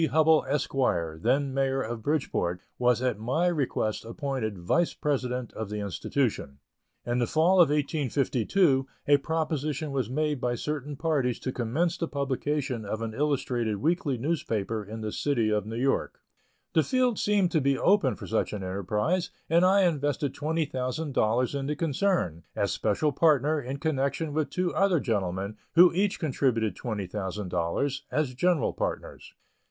Hubbell, Esq., then Mayor of Bridgeport, was at my request appointed Vice President of the institution. In the fall of 1852 a proposition was made by certain parties to commence the publication of an illustrated weekly newspaper in the City of New York. The field seemed to be open for such an enterprise, and I invested twenty thousand dollars in the concern, as special partner, in connection with two other gentlemen, who each contributed twenty thousand dollars, as general partners.